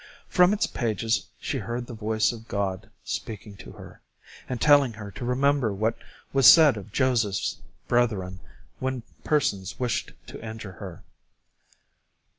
From its pages she heard the voice of God speaking to her, and telling her to remember what was said of Joseph's brethren when persons wished to injure her.